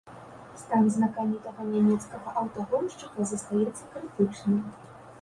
Стан знакамітага нямецкага аўтагоншчыка застаецца крытычным.